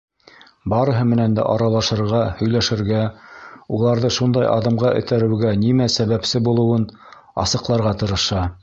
Барыһы менән дә аралашырға, һөйләшергә, уларҙы шундай аҙымға этәреүгә нимә сәбәпсе булыуын асыҡларға тырыша.